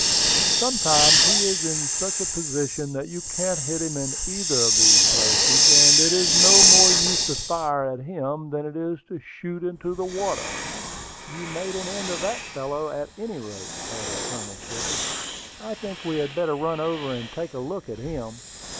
Sometimes he is in such a position that you can't hit him in either of these places, and it is no more use to fire at him than it is to shoot into the water." "You made an end of that fellow, at any rate," added Colonel Shepard. "I think we had better run over and take a look at him."